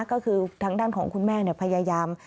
ก็คือทางด้านของคุณแม่พยายาม